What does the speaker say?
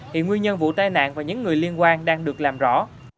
hiện nguyên nhân vụ tai nạn và những người liên quan đang được làm rõ